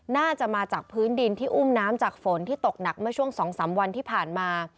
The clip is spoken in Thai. น่าจะมาจากพื้นดินที่อุ้มน้ำจากฝนที่ตกหนักเมื่อช่วง๒๓วันที่ผ่านมา